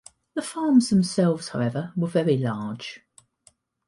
The farms themselves, however, were very large.